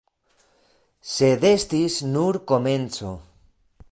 Sed estis nur komenco.